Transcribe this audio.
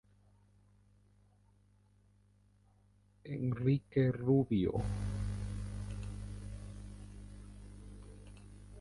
Enrique Rubio.